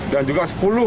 dan juga sepuluh